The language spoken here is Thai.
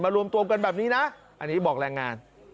รวมตัวกันแบบนี้นะอันนี้บอกแรงงาน